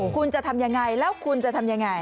คุณจะทำยังไงแล้วคุณจะทำยังไง